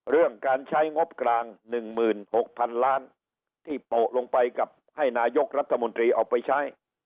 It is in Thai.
เรื่องการใช้งบกลางหนึ่งหมื่นหกพันล้านที่โปะลงไปกับให้นายกรัฐมนตรีออกไปใช้